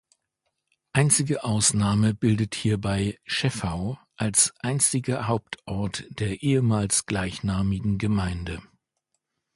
Einzige Ausnahme bildet hierbei "Scheffau" als einstiger Hauptort der ehemals gleichnamigen Gemeinde.